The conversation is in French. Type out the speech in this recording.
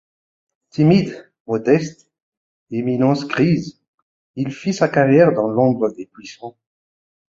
Timide, modeste, éminence grise, il fit sa carrière dans l'ombre des puissants.